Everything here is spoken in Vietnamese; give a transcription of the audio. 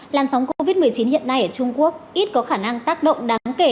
làn sóng covid một mươi chín hiện nay ở trung quốc ít có khả năng tác động đáng kể